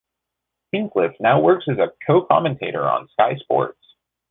Hinchcliffe now works as a co-commentator on Sky Sports.